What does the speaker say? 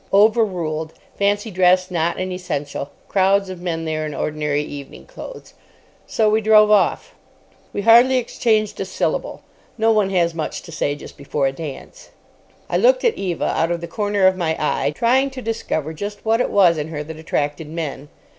Overruled. Fancy dress not an essential. Crowds of men there in ordinary evening clothes. So we drove off. We hardly exchanged a syllable. No one has much to say just before a dance. I looked at Eva out of the corner of my eye, trying to discover just what it was in her that attracted men.